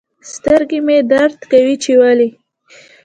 سترګي مي درد کوي چي ولي